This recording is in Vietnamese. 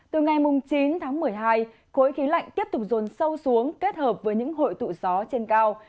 từ ngày chín tháng một mươi hai khối khí lạnh tiếp tục rồn sâu xuống kết hợp với những hội tụ gió trên cao